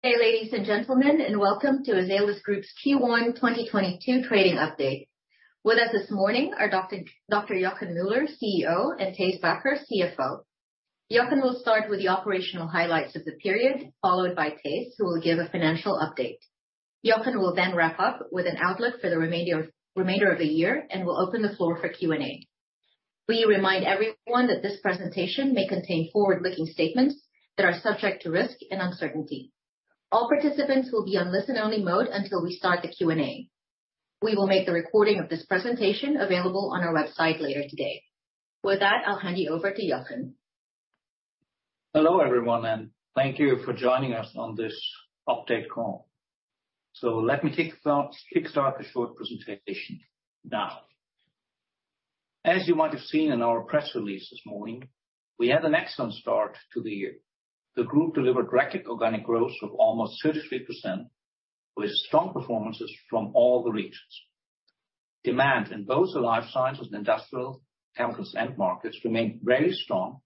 Hey, ladies and gentlemen, and welcome to Azelis Group's Q1 2022 trading update. With us this morning are Dr. Joachim Müller, CEO, and Thijs Bakker, CFO. Joachim will start with the operational highlights of the period, followed by Thijs, who will give a financial update. Jochen. will then wrap up with an outlook for the remainder of the year, and we'll open the floor for Q&A. We remind everyone that this presentation may contain forward-looking statements that are subject to risk and uncertainty. All participants will be on listen-only mode until we start the Q&A. We will make the recording of this presentation available on our website later today. With that, I'll hand you over to Joachim. Hello, everyone, and thank you for joining us on this update call. Let me kick off, kick start the short presentation now. As you might have seen in our press release this morning, we had an excellent start to the year. The Group delivered record organic growth of almost 33% with strong performances from all the regions. Demand in both the Life Sciences and Industrial Chemicals end markets remained very strong,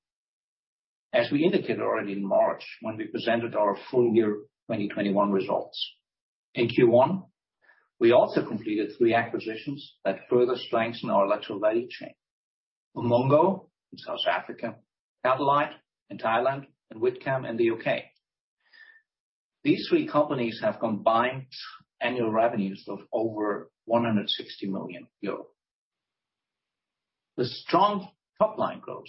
as we indicated already in March when we presented our full year 2021 results. In Q1, we also completed three acquisitions that further strengthen our lateral value chain. Umongo in South Africa, Catalite in Thailand, and WhitChem in the UK. These three companies have combined annual revenues of over 160 million euros. The strong top-line growth,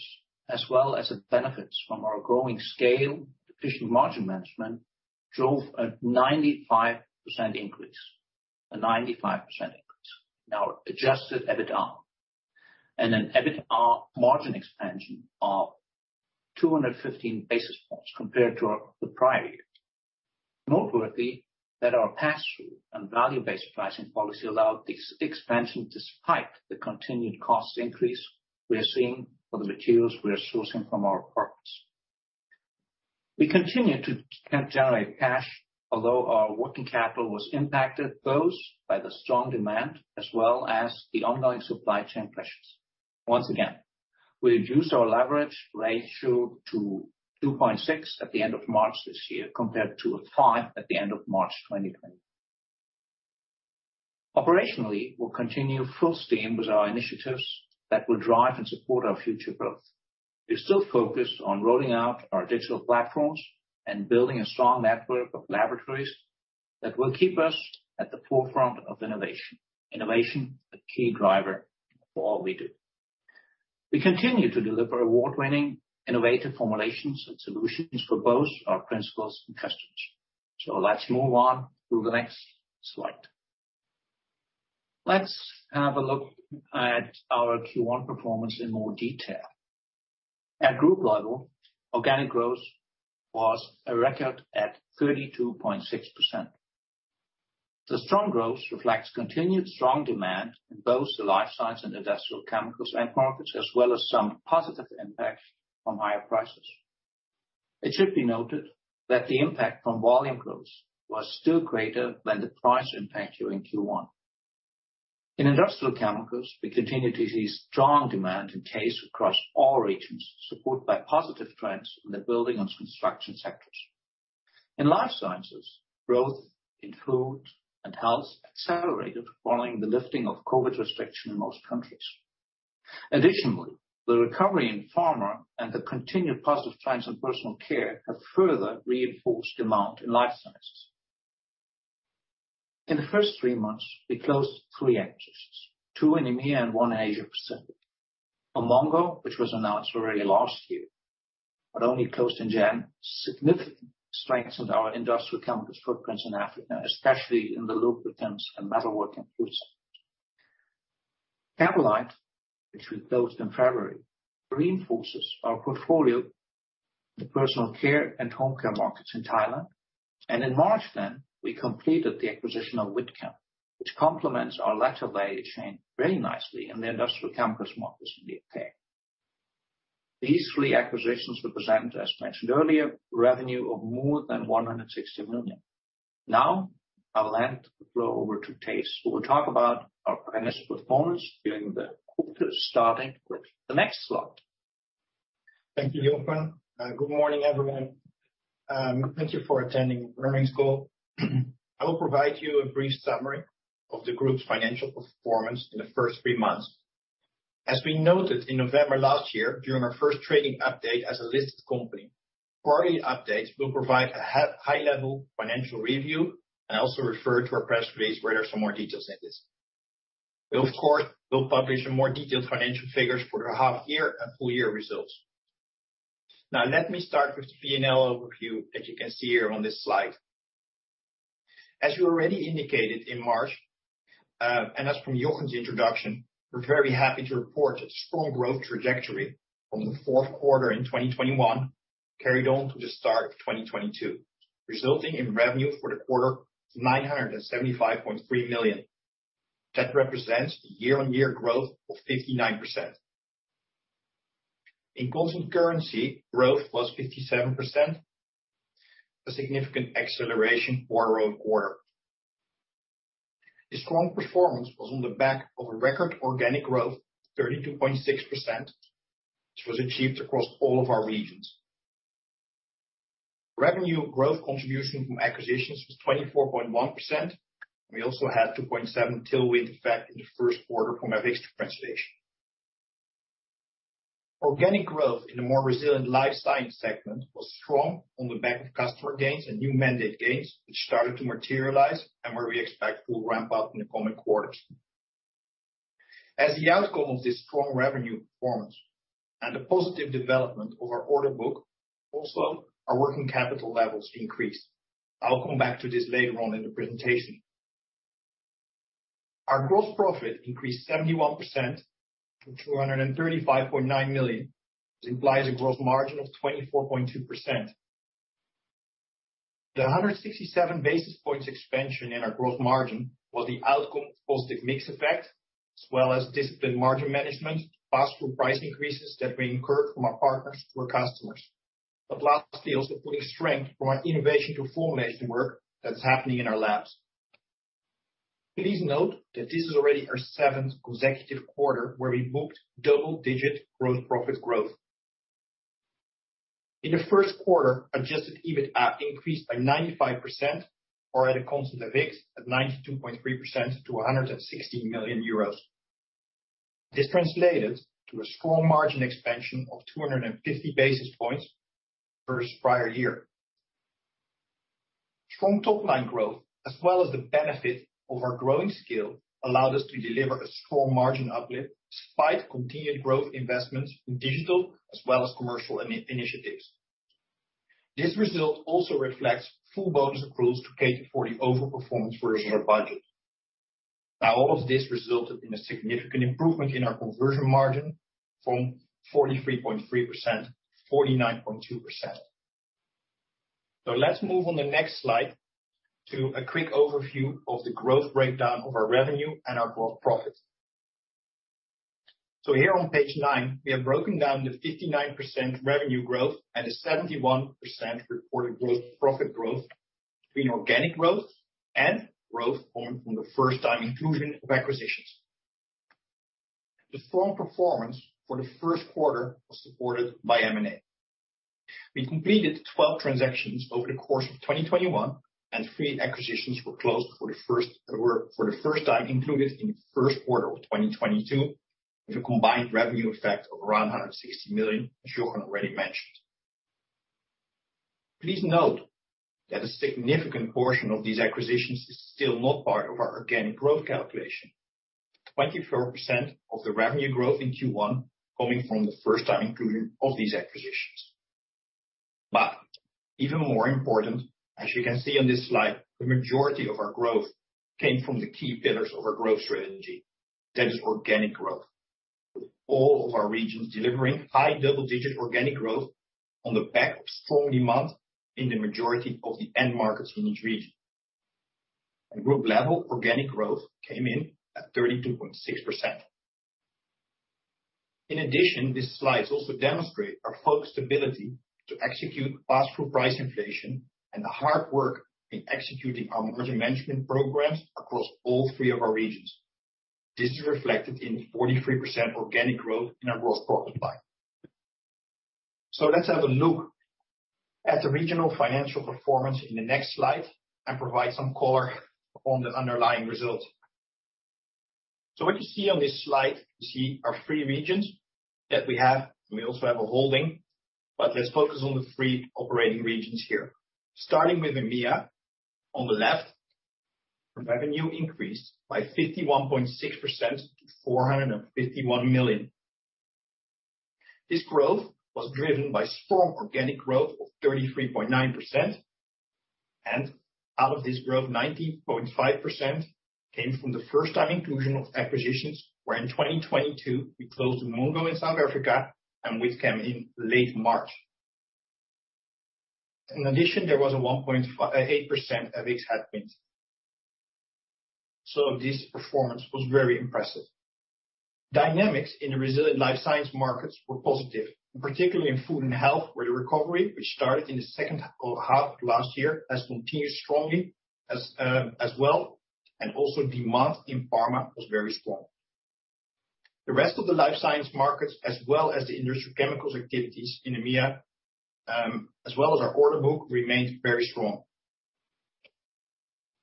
as well as the benefits from our growing scale, efficient margin management, drove a 95% increase. A 95% increase in our adjusted EBITA and an EBITA margin expansion of 215 basis points compared to the prior year. Noteworthy that our pass-through and value-based pricing policy allowed this expansion despite the continued cost increase we are seeing for the materials we are sourcing from our partners. We continue to generate cash, although our working capital was impacted both by the strong demand as well as the ongoing supply chain pressures. Once again, we reduced our leverage ratio to 2.6 at the end of March this year, compared to five at the end of March 2020. Operationally, we'll continue full steam with our initiatives that will drive and support our future growth. We're still focused on rolling out our digital platforms and building a strong network of laboratories that will keep us at the forefront of innovation. Innovation, a key driver for all we do. We continue to deliver award-winning innovative formulations and solutions for both our principals and customers. Let's move on to the next slide. Let's have a look at our Q1 performance in more detail. At group level, organic growth was a record at 32.6%. The strong growth reflects continued strong demand in both the Life Sciences and Industrial Chemicals end markets, as well as some positive impact from higher prices. It should be noted that the impact from volume growth was still greater than the price impact during Q1. In Industrial Chemicals, we continue to see strong demand in CASE across all regions, supported by positive trends in the building and construction sectors. In Life Sciences, growth in Food and Health accelerated following the lifting of COVID restriction in most countries. Additionally, the recovery in pharma and the continued positive trends in personal care have further reinforced demand in life sciences. In the first 3 months, we closed three exits, two in EMEA and one in Asia Pacific. Umongo, which was announced already last year, but only closed in January, significantly strengthened our industrial chemicals footprint in Africa, especially in the lubricants and metalworking fluids. Catalite, which we closed in February, reinforces our portfolio in the personal care and home care markets in Thailand. In March, we completed the acquisition of WhitChem, which complements our lateral value chain very nicely in the industrial chemicals markets in the UK. These three acquisitions represent, as mentioned earlier, revenue of more than 160 million. Now, I'll hand the floor over to Thijs, who will talk about our financial performance during the quarter, starting with the next slide. Thank you, Jochen. Good morning, everyone. Thank you for attending this call. I will provide you a brief summary of the group's financial performance in the first 3 months. As we noted in November last year during our first trading update as a listed company, quarterly updates will provide a high level financial review. I also refer to our press release where there are some more details in this. We of course will publish more detailed financial figures for the half year and full year results. Now, let me start with the P&L overview, as you can see here on this slide. As we already indicated in March, and as from Jochen's introduction, we're very happy to report a strong growth trajectory from the fourth quarter in 2021 carried on to the start of 2022, resulting in revenue for the quarter to 975.3 million. That represents a year-on-year growth of 59%. In constant currency, growth was 57%, a significant acceleration quarter-on-quarter. The strong performance was on the back of a record organic growth, 32.6%, which was achieved across all of our regions. Revenue growth contribution from acquisitions was 24.1%. We also had 2.7 tailwind effect in the first quarter from an FX translation. Organic growth in the more resilient life sciences segment was strong on the back of customer gains and new mandate gains, which started to materialize and where we expect full ramp up in the coming quarters. As the outcome of this strong revenue performance and the positive development of our order book, also our working capital levels increased. I'll come back to this later on in the presentation. Our gross profit increased 71% to 235.9 million, which implies a gross margin of 24.2%. The 167 basis points expansion in our gross margin was the outcome of positive mix effect as well as disciplined margin management, pass-through price increases that we passed from our partners to our customers. Lastly, also pulling strength from our innovation through formulation work that's happening in our labs. Please note that this is already our 7th consecutive quarter where we booked double-digit gross profit growth. In the first quarter, adjusted EBITA increased by 95% or at a constant FX of 92.3% to 160 million euros. This translated to a strong margin expansion of 250 basis points versus prior year. Strong top line growth, as well as the benefit of our growing scale, allowed us to deliver a strong margin uplift despite continued growth investments in digital as well as commercial initiatives. This result also reflects full bonus accruals to cater for the over-performance versus our budget. Now, all of this resulted in a significant improvement in our conversion margin from 43.3% to 49.2%. Let's move on the next slide to a quick overview of the growth breakdown of our revenue and our gross profit. Here on page nine, we have broken down the 59% revenue growth and the 71% reported gross profit growth between organic growth and growth coming from the first time inclusion of acquisitions. The strong performance for the first quarter was supported by M&A. We completed 12 transactions over the course of 2021, and three acquisitions were for the first time included in the first quarter of 2022 with a combined revenue effect of around 160 million, as Joachim already mentioned. Please note that a significant portion of these acquisitions is still not part of our organic growth calculation. 24% of the revenue growth in Q1 coming from the first time inclusion of these acquisitions. Even more important, as you can see on this slide, the majority of our growth came from the key pillars of our growth strategy. That is organic growth. All of our regions delivering high double-digit organic growth on the back of strong demand in the majority of the end markets in each region. At group level, organic growth came in at 32.6%. In addition, these slides also demonstrate our focused ability to execute pass-through price inflation and the hard work in executing our margin management programs across all three of our regions. This is reflected in the 43% organic growth in our gross profit line. Let's have a look at the regional financial performance in the next slide and provide some color on the underlying results. What you see on this slide, you see our three regions that we have. We also have a holding, but let's focus on the three operating regions here. Starting with EMEA on the left, revenue increased by 51.6% to 451 million. This growth was driven by strong organic growth of 33.9%, and out of this growth, 19.5% came from the first time inclusion of acquisitions, where in 2022 we closed Umongo in South Africa and WhitChem in late March. In addition, there was a 1.8% of FX headwinds. This performance was very impressive. Dynamics in the resilient life sciences markets were positive, particularly in food and health, where the recovery, which started in the second half of last year, has continued strongly as well, and also demand in pharma was very strong. The rest of the Life Sciences markets as well as the Industrial Chemicals activities in EMEA, as well as our order book, remained very strong.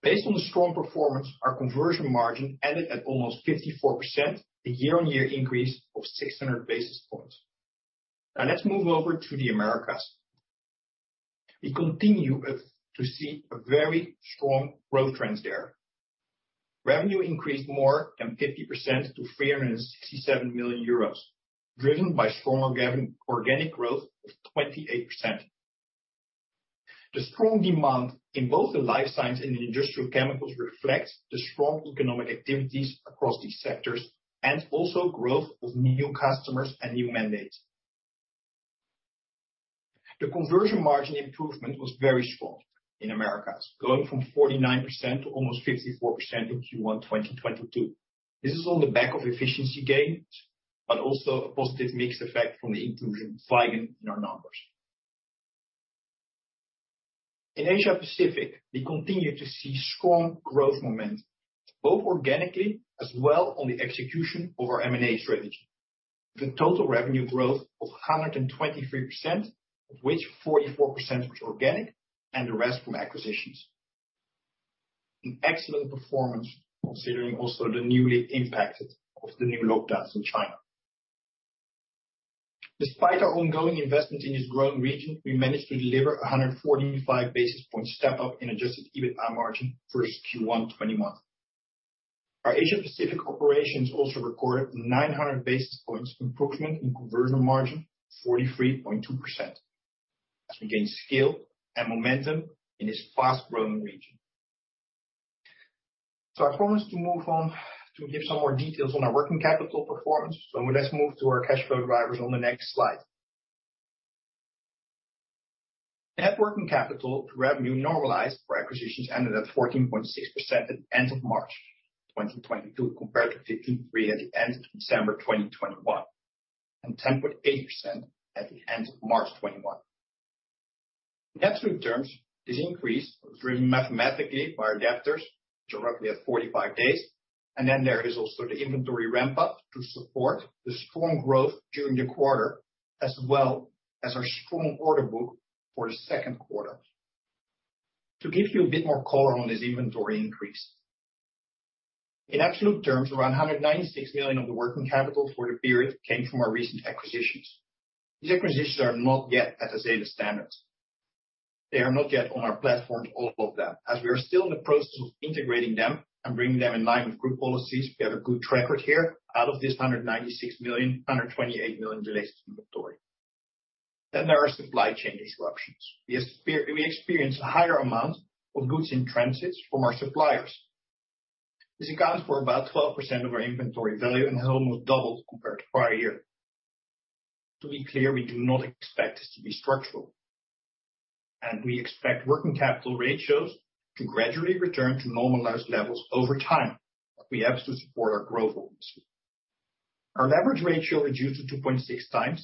Based on the strong performance, our conversion margin ended at almost 54%, a year-on-year increase of 600 basis points. Now let's move over to the Americas. We continue to see a very strong growth trends there. Revenue increased more than 50% to 367 million euros, driven by strong organic growth of 28%. The strong demand in both the Life Sciences and Industrial Chemicals reflects the strong economic activities across these sectors and also growth of new customers and new mandates. The conversion margin improvement was very strong in Americas, going from 49% to almost 54% in Q1 2022. This is on the back of efficiency gains, but also a positive mix effect from the inclusion of Vigon in our numbers. In Asia Pacific, we continue to see strong growth momentum, both organically as well as on the execution of our M&A strategy. The total revenue growth of 123%, of which 44% was organic and the rest from acquisitions. An excellent performance considering also the impact of the new lockdowns in China. Despite our ongoing investment in this growing region, we managed to deliver a 145 basis points step up in adjusted EBITA margin versus Q1 2021. Our Asia Pacific operations also recorded 900 basis points improvement in conversion margin, 43.2%, as we gain scale and momentum in this fast-growing region. I promised to move on to give some more details on our working capital performance. Let's move to our cash flow drivers on the next slide. Net working capital to revenue normalized for acquisitions ended at 14.6% at the end of March 2022 compared to 15.3% at the end of December 2021, and 10.8% at the end of March 2021. In absolute terms, this increase was driven mathematically by our debtors, which are roughly at 45 days, and then there is also the inventory ramp up to support the strong growth during the quarter, as well as our strong order book for the second quarter. To give you a bit more color on this inventory increase. In absolute terms, around 196 million of the working capital for the period came from our recent acquisitions. These acquisitions are not yet at the Azelis standards. They are not yet on our platforms, all of them, as we are still in the process of integrating them and bringing them in line with group policies. We have a good track record here. Out of this 196 million, 128 million relates to inventory. Then there are supply chain disruptions. We experience a higher amount of goods in transit from our suppliers. This accounts for about 12% of our inventory value and has almost doubled compared to prior year. To be clear, we do not expect this to be structural. We expect working capital ratios to gradually return to normalized levels over time, but we have to support our growth obviously. Our leverage ratio reduced to 2.6x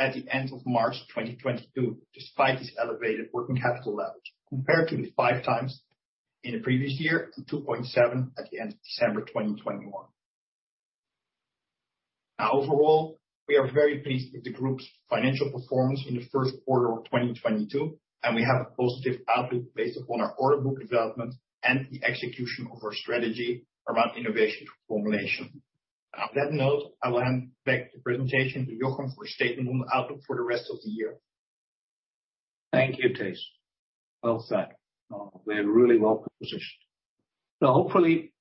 at the end of March 2022, despite these elevated working capital levels, compared to the 5x in the previous year and 2.7 at the end of December 2021. Now overall, we are very pleased with the group's financial performance in the first quarter of 2022, and we have a positive outlook based upon our order book development and the execution of our strategy around innovation through formulation. On that note, I will hand back the presentation to Joachim for a statement on the outlook for the rest of the year. Thank you, Thijs. Well said. We're really well positioned. Hopefully,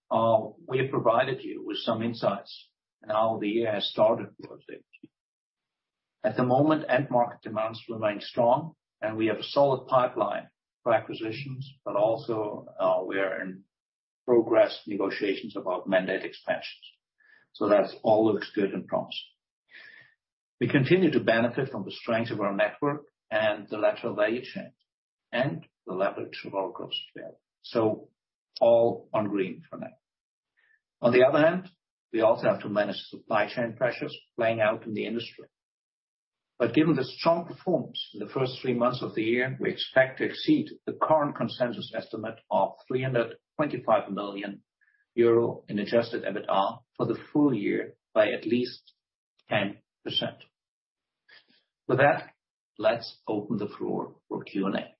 we have provided you with some insights on how the year has started for us at the moment. At the moment, end market demands remain strong and we have a solid pipeline for acquisitions, but also, we are in progress negotiations about mandate expansions. That all looks good and promising. We continue to benefit from the strength of our network and the lateral value chain and the leverage of our cost base. All on green for now. On the other hand, we also have to manage supply chain pressures playing out in the industry. Given the strong performance in the first 3 months of the year, we expect to exceed the current consensus estimate of 325 million euro in adjusted EBITA for the full year by at least 10%. With that, let's open the floor for Q&A.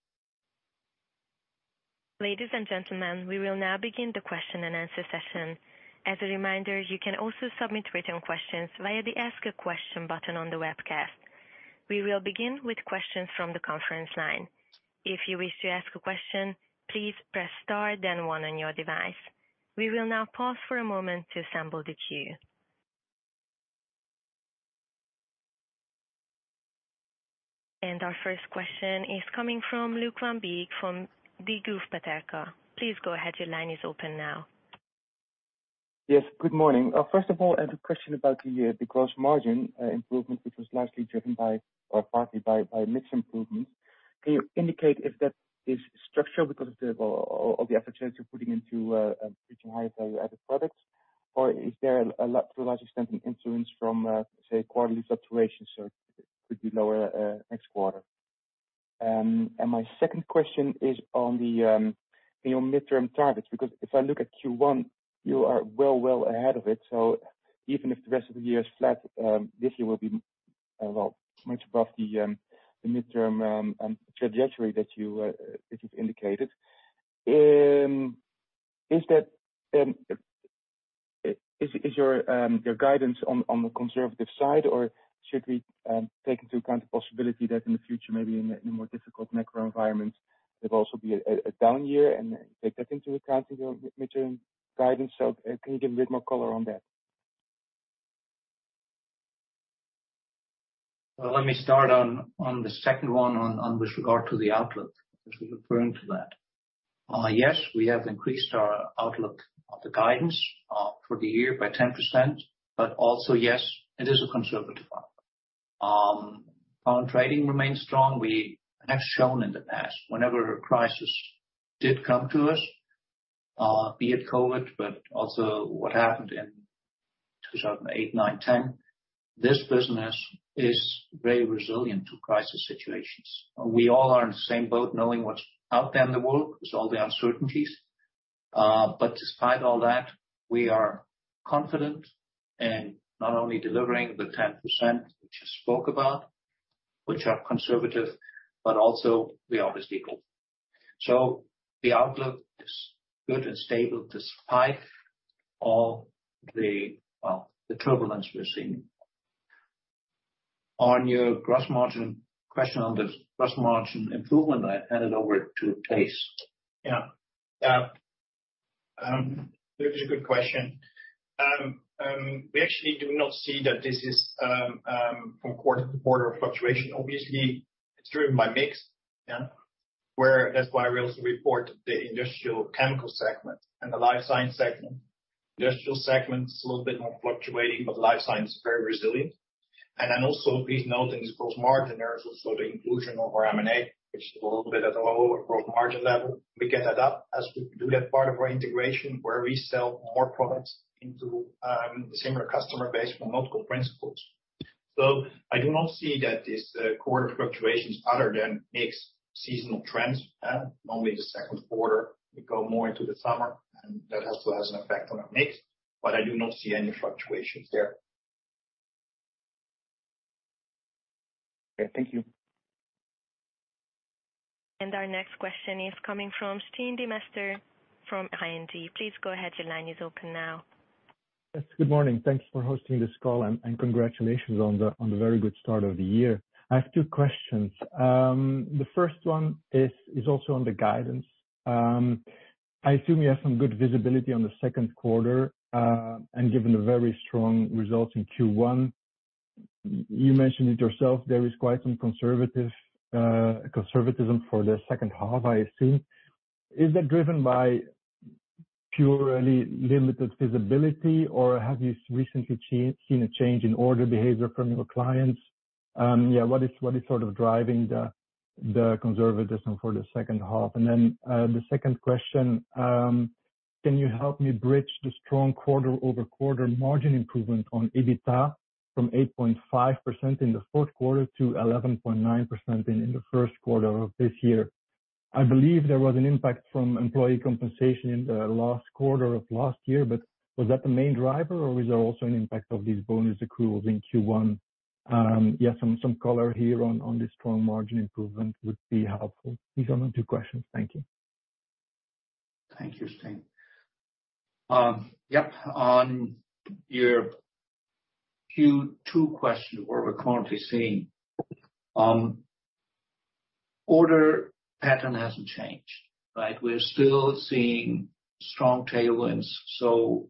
Ladies and gentlemen, we will now begin the question and answer session. As a reminder, you can also submit written questions via the Ask a Question button on the webcast. We will begin with questions from the conference line. If you wish to ask a question, please press star then one on your device. We will now pause for a moment to assemble the queue. Our first question is coming from Luuk van Beek from Degroof Petercam. Please go ahead. Your line is open now. Yes, good morning. First of all, I have a question about the year's gross margin improvement, which was largely driven by or partly by mix improvements. Can you indicate if that is structural because of the efforts you're putting into reaching higher value-added products? Or is there a large extent an influence from, say, quarterly fluctuations, or could be lower next quarter? My second question is on your midterm targets, because if I look at Q1, you are well ahead of it. Even if the rest of the year is flat, this year will be well much above the midterm trajectory that you've indicated. Is your guidance on the conservative side or should we take into account the possibility that in the future, maybe in a more difficult macro environment, there'll also be a down year and take that into account in your midterm guidance? Can you give a bit more color on that? Well, let me start on the second one with regard to the outlook, because you're referring to that. Yes, we have increased our outlook of the guidance for the year by 10%. Also, yes, it is a conservative outlook. Our trading remains strong. We have shown in the past whenever a crisis did come to us, be it COVID, but also what happened in 2008, 2009, 2010. This business is very resilient to crisis situations. We all are in the same boat, knowing what's out there in the world, with all the uncertainties. Despite all that, we are confident in not only delivering the 10% which I spoke about, which are conservative, but also above as well. The outlook is good and stable despite all the, well, the turbulence we're seeing. On your gross margin question on the gross margin improvement, I hand it over to Thijs. That is a good question. We actually do not see that this is from quarter to quarter a fluctuation. Obviously, it's driven by mix, which is why we also report the Industrial Chemicals segment and the Life Sciences segment. The Industrial Chemicals segment is a little bit more fluctuating, but the Life Sciences segment is very resilient. Then also please note in this gross margin, there is also the inclusion of our M&A, which is a little bit at a lower gross margin level. We get that up as we do that part of our integration, where we sell more products into similar customer base from multiple principals. I do not see that this quarter fluctuations other than mix seasonal trends. Normally the second quarter, we go more into the summer, and that also has an effect on our mix, but I do not see any fluctuations there. Okay. Thank you. Our next question is coming from Stijn Demeester from ING. Please go ahead. Your line is open now. Yes. Good morning. Thanks for hosting this call and congratulations on the very good start of the year. I have two questions. The first one is also on the guidance. I assume you have some good visibility on the second quarter, and given the very strong results in Q1, you mentioned it yourself, there is quite some conservative conservatism for the second half, I assume. Is that driven by purely limited visibility, or have you recently seen a change in order behavior from your clients? Yeah, what is sort of driving the conservatism for the second half? The second question, can you help me bridge the strong quarter-over-quarter margin improvement on EBITDA from 8.5% in the fourth quarter to 11.9% in the first quarter of this year? I believe there was an impact from employee compensation in the last quarter of last year, but was that the main driver, or is there also an impact of these bonus accruals in Q1? Yeah. Some color here on the strong margin improvement would be helpful. These are my two questions. Thank you. Thank you, Stijn. Yep, on your Q2 question, where we're currently seeing order pattern hasn't changed, right? We're still seeing strong tailwinds, so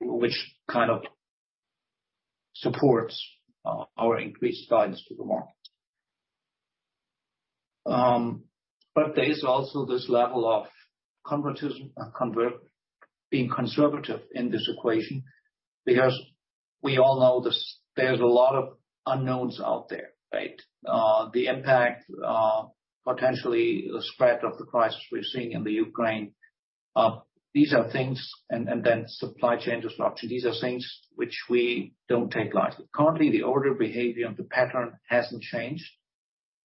which kind of supports our increased guidance to the market. There is also this level of being conservative in this equation because we all know this, there's a lot of unknowns out there, right? The impact, potentially the spread of the crisis we're seeing in Ukraine, these are things, and then supply chain disruptions, these are things which we don't take lightly. Currently, the order behavior and the pattern hasn't changed,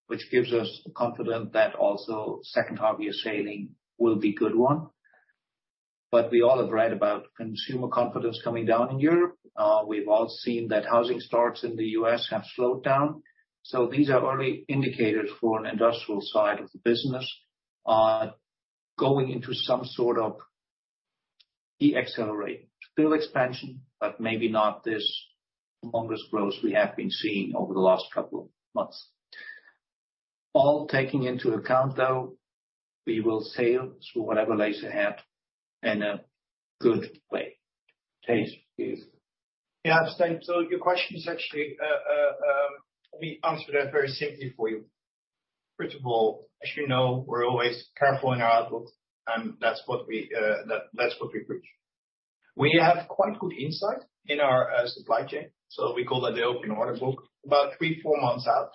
which gives us confidence that also second half year sailing will be good one. We all have read about consumer confidence coming down in Europe. We've all seen that housing starts in the U.S. have slowed down. These are early indicators for an industrial side of the business, going into some sort of deceleration. Still expansion, but maybe not this humongous growth we have been seeing over the last couple of months. All taking into account, though, we will sail through whatever lies ahead in a good way. Thijs, please. Yeah, Stijn. Your question is actually, let me answer that very simply for you. First of all, as you know, we're always careful in our outlook, and that's what we preach. We have quite good insight in our supply chain, so we call that the open order book. About 3-4 months out,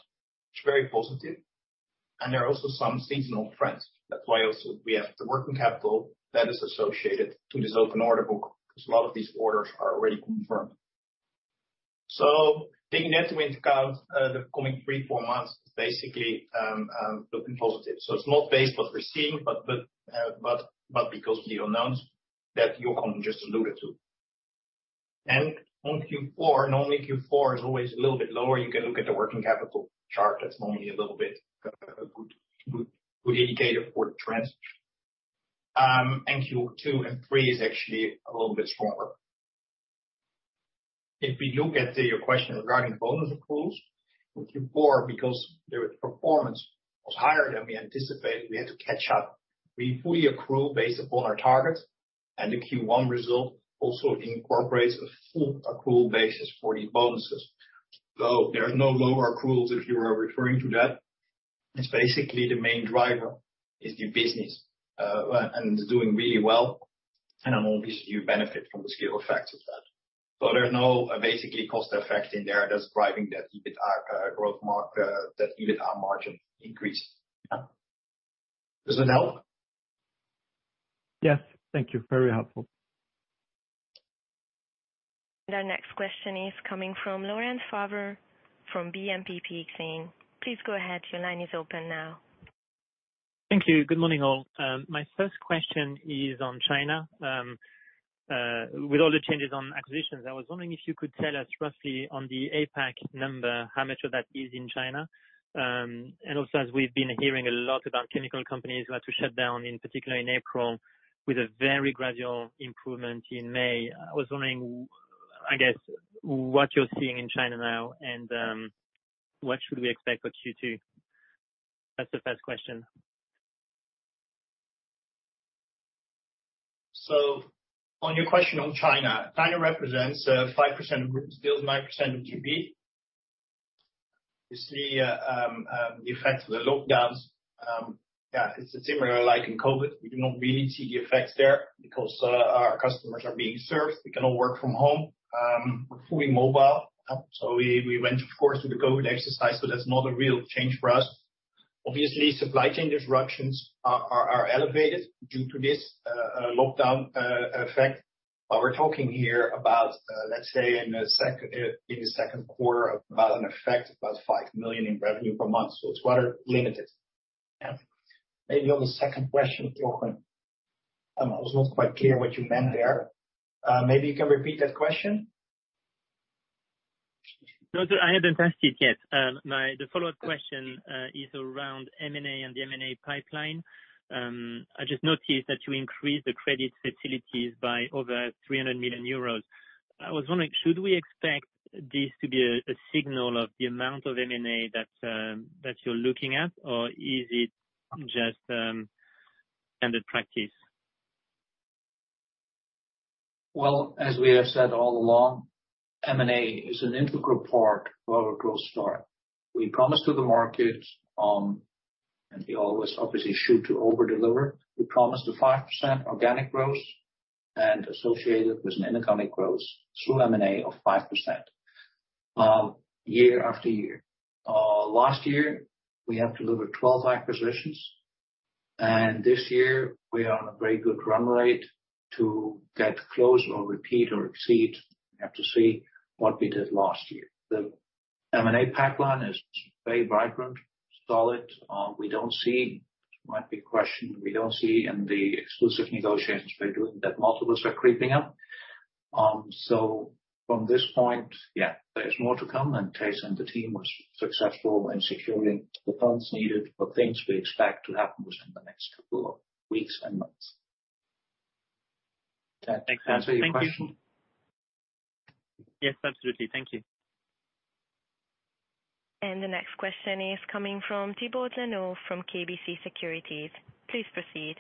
it's very positive. There are also some seasonal trends. That's why also we have the working capital that is associated to this open order book, because a lot of these orders are already confirmed. Taking that into account, the coming 3-4 months is basically looking positive. It's not based on what we're seeing, but because of the unknowns that Jochen just alluded to. On Q4, normally Q4 is always a little bit lower. You can look at the working capital chart. That's normally a little bit a good indicator for the trends. Q2 and Q3 is actually a little bit stronger. If we look at your question regarding bonus accruals for Q4, because their performance was higher than we anticipated, we had to catch up. We fully accrue based upon our targets, and the Q1 result also incorporates a full accrual basis for these bonuses. There are no lower accruals if you are referring to that. It's basically the main driver is the business, and it's doing really well. Obviously you benefit from the scale effects of that. There are no basically cost effects in there that's driving that EBITDA, that EBITDA margin increase. Yeah. Does that help? Yes. Thank you. Very helpful. Our next question is coming from Laurent Favre from BNP Paribas Exane. Please go ahead. Your line is open now. Thank you. Good morning, all. My first question is on China. With all the changes on acquisitions, I was wondering if you could tell us roughly on the APAC number, how much of that is in China? And also, as we've been hearing a lot about chemical companies who had to shut down, in particular in April, with a very gradual improvement in May, I was wondering, I guess, what you're seeing in China now, and, what should we expect for Q2? That's the first question. On your question on China represents 5% of group sales, 9% of GP. You see the effect of the lockdowns. Yeah, it's similar like in COVID. We do not really see the effects there because our customers are being served. They can all work from home, fully mobile. We went, of course, through the COVID exercise, so that's not a real change for us. Obviously, supply chain disruptions are elevated due to this lockdown effect. We're talking here about, let's say in the second quarter, about an effect of about 5 million in revenue per month. It's rather limited. Yeah. Maybe on the second question, Joachim, I was not quite clear what you meant there. Maybe you can repeat that question. No, sir, I haven't asked it yet. The follow-up question is around M&A and the M&A pipeline. I just noticed that you increased the credit facilities by over 300 million euros. I was wondering, should we expect this to be a signal of the amount of M&A that you're looking at, or is it just standard practice? Well, as we have said all along, M&A is an integral part of our growth story. We promised to the markets, and we always obviously shoot to over-deliver. We promised a 5% organic growth and associated with an inorganic growth through M&A of 5%, year after year. Last year, we have delivered 12 acquisitions, and this year we are on a very good run rate to get close or repeat or exceed, we have to see, what we did last year. The M&A pipeline is very vibrant, solid. We don't see in the exclusive negotiations we're doing that multiples are creeping up. From this point, yeah, there's more to come and CASE and the team was successful in securing the funds needed for things we expect to happen within the next couple of weeks and months. Does that answer your question? Yes, absolutely. Thank you. The next question is coming from Thibault Leneeuw from KBC Securities. Please proceed.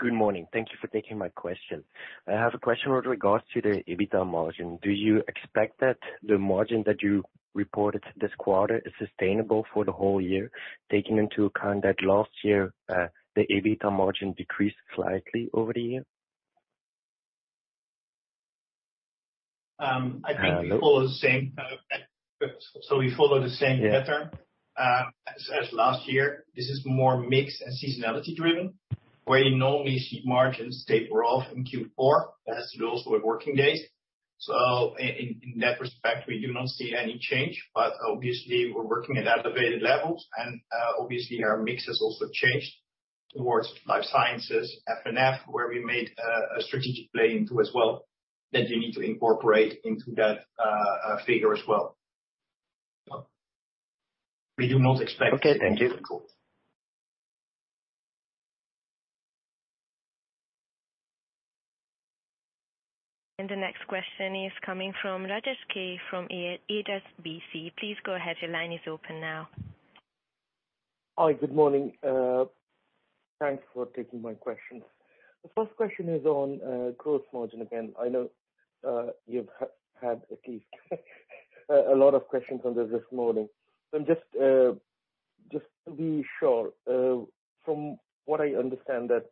Good morning. Thank you for taking my question. I have a question with regards to the EBITDA margin. Do you expect that the margin that you reported this quarter is sustainable for the whole year, taking into account that last year, the EBITDA margin decreased slightly over the year? I think we follow the same. We follow the same pattern as last year. This is more mix and seasonality driven, where you normally see margins taper off in Q4. That has to do also with working days. In that respect, we do not see any change. Obviously we're working at elevated levels and obviously our mix has also changed towards Life Sciences, F&F, where we made a strategic play into as well that you need to incorporate into that figure as well. We do not expect Okay, thank you. The next question is coming from Rajesh Kumar from Edelweiss Securities. Please go ahead. Your line is open now. Hi. Good morning. Thanks for taking my questions. The first question is on gross margin again. I know you've had at least a lot of questions on this morning. Just to be sure, from what I understand that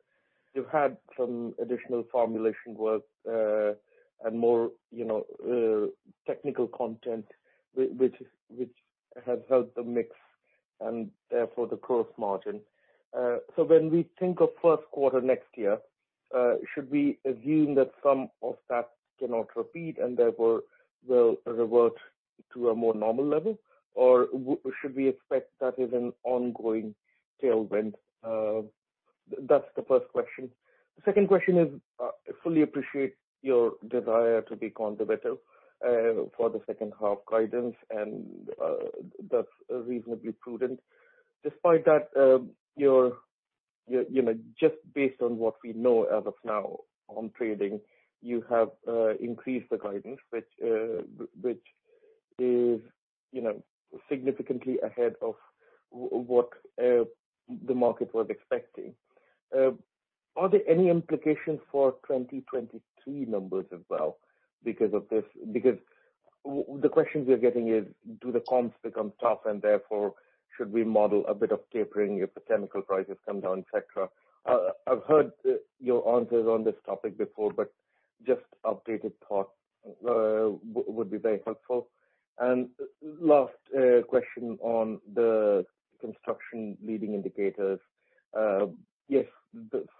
you've had some additional formulation work and more, you know, technical content which has helped the mix and therefore the gross margin. When we think of first quarter next year, should we assume that some of that cannot repeat and therefore will revert to a more normal level, or should we expect that is an ongoing tailwind? That's the first question. The second question is, fully appreciate your desire to be conservative for the second half guidance, and that's reasonably prudent. Despite that, you know, just based on what we know as of now on trading, you have increased the guidance which is, you know, significantly ahead of what the market was expecting. Are there any implications for 2022 numbers as well because of this? Because the questions we're getting is, do the comps become tough and therefore should we model a bit of tapering if the chemical prices come down, et cetera? I've heard your answers on this topic before, but just updated thought would be very helpful. Last question on the construction leading indicators. Yes,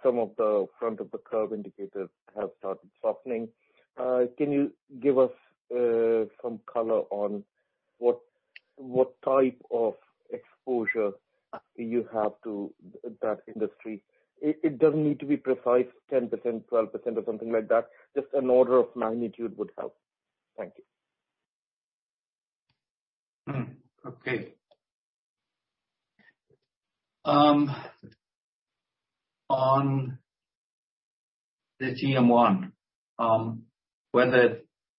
some of the front of the curve indicators have started softening. Can you give us some color on what type of exposure you have to that industry? It doesn't need to be precise, 10%-12% or something like that. Just an order of magnitude would help. Thank you. On the GM one, well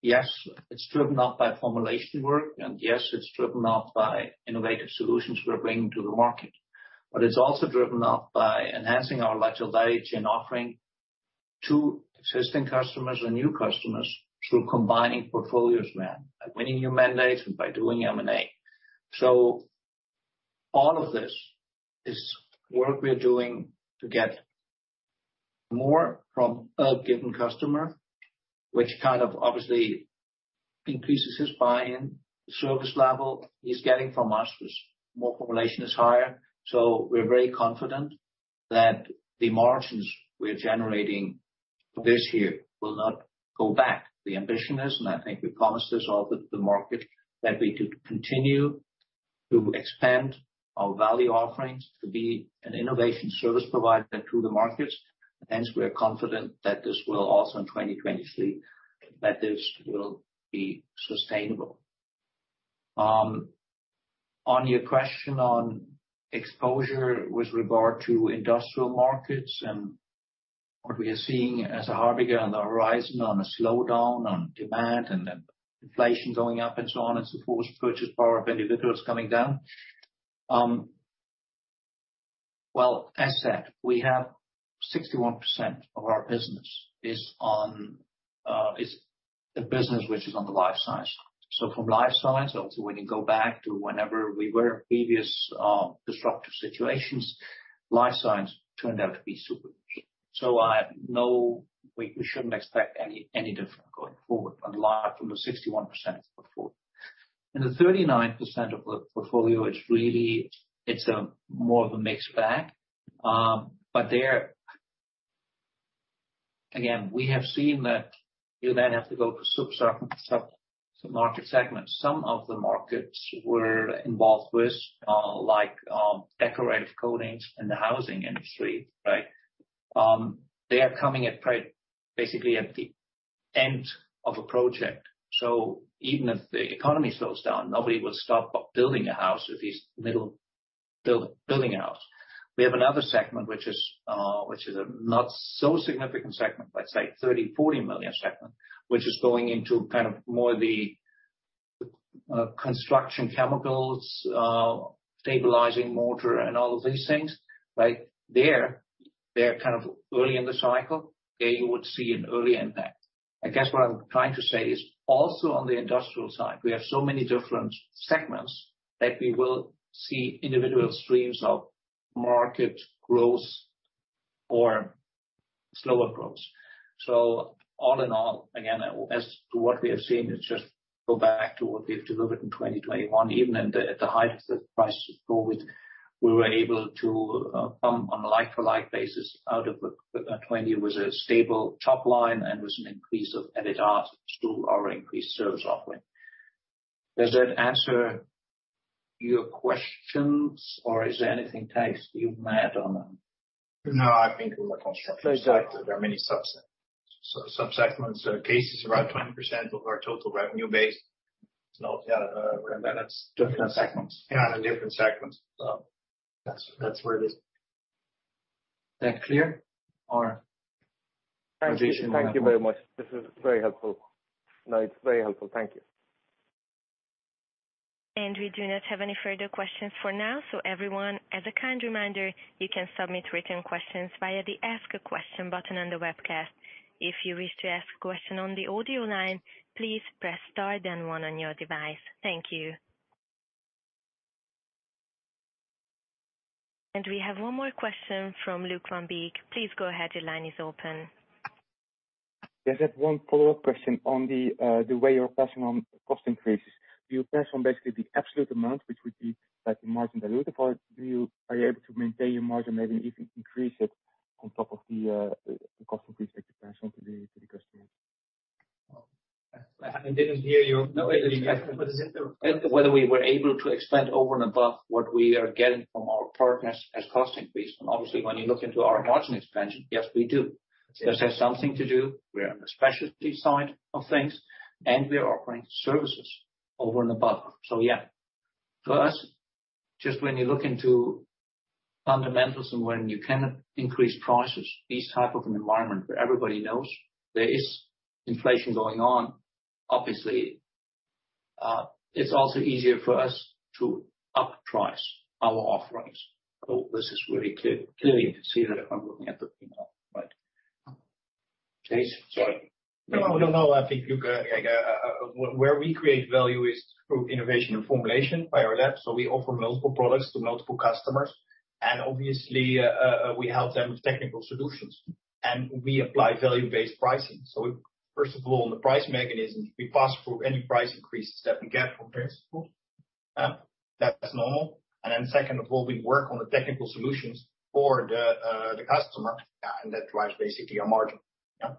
yes, it's driven up by formulation work, and yes, it's driven up by innovative solutions we are bringing to the market. It's also driven up by enhancing our intellectual variety and offering to existing customers or new customers through combining portfolios, man, by winning new mandates and by doing M&A. All of this is work we are doing to get more from a given customer, which kind of obviously increases his buy-in service level he's getting from us as more formulation is higher. We're very confident that the margins we're generating this year will not go back. The ambition is, and I think we promised this all to the market, that we could continue to expand our value offerings to be an innovation service provider to the markets. Hence, we are confident that this will also in 2023, that this will be sustainable. On your question on exposure with regard to industrial markets and what we are seeing as a harbinger on the horizon of a slowdown of demand and inflation going up and so on, and supposing purchasing power of individuals coming down. Well, as said, we have 61% of our business is on, is a business which is on the Life Sciences. So from Life Sciences, also when you go back to whenever we were in previous, disruptive situations, Life Sciences turned out to be super. We shouldn't expect any different going forward, unlike from the 61% before. The 39% of the portfolio, it's really more of a mixed bag. Again, we have seen that you then have to go to sub-sub-sub-submarket segments. Some of the markets we're involved with, like, decorative coatings in the housing industry, right? They are coming at basically at the end of a project. Even if the economy slows down, nobody will stop building a house if he's middle building a house. We have another segment which is a not so significant segment, let's say 30-40 million segment, which is going into kind of more the, construction chemicals, stabilizing mortar and all of these things, right? There, they're kind of early in the cycle. There you would see an early impact. I guess what I'm trying to say is also on the industrial side, we have so many different segments that we will see individual streams of market growth or slower growth. All in all, again, as to what we have seen, it's just go back to what we have delivered in 2021. Even at the height of the crisis of COVID, we were able to come on a like-for-like basis out of 2020 with a stable top line and with an increase of added value through our increased service offering. Does that answer your questions or is there anything, Thijs, you add on them? No, I think it was a construction. Please go. There are many subsegments CASE, around 20% of our total revenue base. Different segments. Yeah, different segments. That's where it is. That clear or? Thank you. Thank you very much. It's very helpful. Thank you. We do not have any further questions for now. Everyone, as a kind reminder, you can submit written questions via the Ask a Question button on the webcast. If you wish to ask a question on the audio line, please press star then one on your device. Thank you. We have one more question from Luuk van Beek. Please go ahead. Your line is open. Just have one follow-up question on the way you're passing on cost increases. Do you pass on basically the absolute amount which would be like the margin dilutive, or are you able to maintain your margin, maybe even increase it on top of the cost increase that you pass on to the customer? I didn't hear you. No Whether we were able to expand over and above what we are getting from our partners as cost increase. Obviously, when you look into our margin expansion, yes, we do. This has something to do. We're on the specialty side of things, and we are offering services over and above. Yeah. For us, just when you look into fundamentals and when you cannot increase prices, this type of an environment where everybody knows there is inflation going on, obviously, it's also easier for us to upprice our offerings. This is really clearly considered when looking at the, you know. Right. Thijs, sorry. No, no, I think, Luuk, like, where we create value is through innovation and formulation by our lab. We offer multiple products to multiple customers. Obviously, we help them with technical solutions, and we apply value-based pricing. First of all, on the price mechanisms, we pass through any price increases that we get from principals, that's normal. Then second of all, we work on the technical solutions for the customer, and that drives basically our margin. Yeah.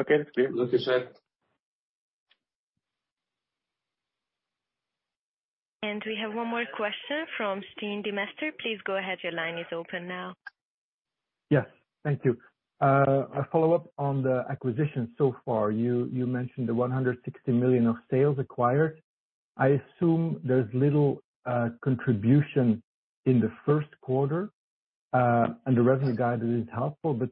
Okay. It's clear. Luc, you said. We have one more question from Stijn Demeester. Please go ahead. Your line is open now. Yes. Thank you. A follow-up on the acquisition so far. You mentioned the 160 million of sales acquired. I assume there's little contribution in the first quarter, and the revenue guide is helpful, but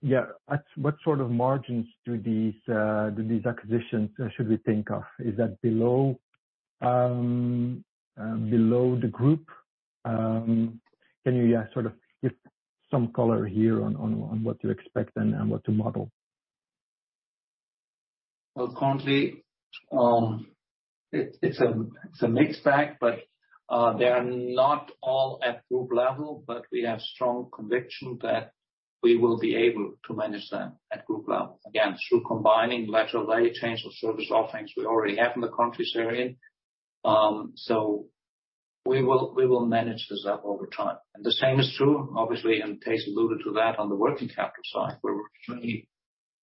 what sort of margins do these acquisitions should we think of? Is that below the group? Can you sort of give some color here on what to expect and what to model? Well, currently, it's a mixed bag, but they are not all at group level, but we have strong conviction that we will be able to manage them at group level. Again, through combining lateral value chains or service offerings we already have in the countries they're in. So we will manage this up over time. The same is true, obviously, and Case alluded to that on the working capital side, where we,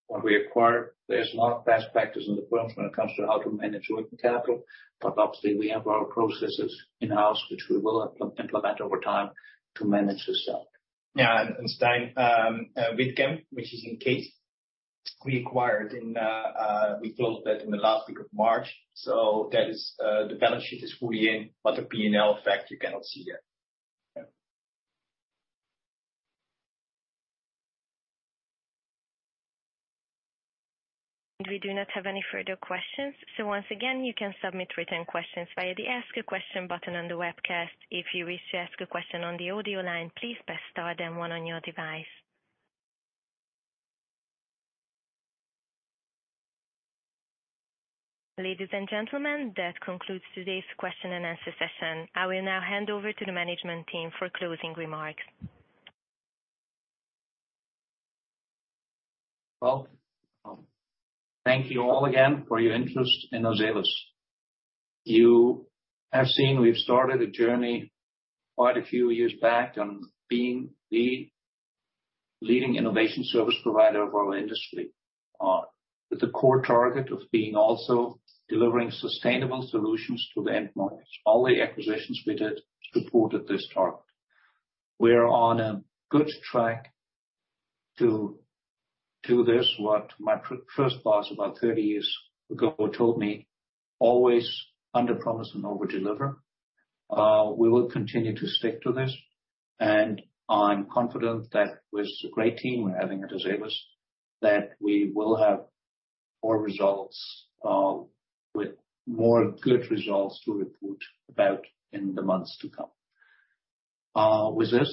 when we acquire, there's a lot of best practices in the firms when it comes to how to manage working capital, but obviously we have our processes in-house, which we will implement over time to manage this up. Stijn, WhitChem, which is in CASE, we acquired in, we closed that in the last week of March. That is, the balance sheet is fully in, but the P&L effect you cannot see yet. Yeah. We do not have any further questions. Once again, you can submit written questions via the Ask a Question button on the webcast. If you wish to ask a question on the audio line, please press star then one on your device. Ladies and gentlemen, that concludes today's question and answer session. I will now hand over to the management team for closing remarks. Well, thank you all again for your interest in Azelis. You have seen we've started a journey quite a few years back on being the leading innovation service provider of our industry, with the core target of being also delivering sustainable solutions to the end markets. All the acquisitions we did supported this target. We're on a good track to this what my first boss about 30 years ago told me, "Always under promise and over deliver." We will continue to stick to this, and I'm confident that with the great team we're having at Azelis, that we will have more results, with more good results to report about in the months to come. With this,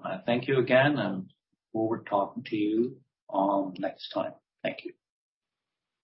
I thank you again, and we'll be talking to you, next time. Thank you.